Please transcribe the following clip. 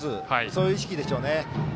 そういう意識でしょうね。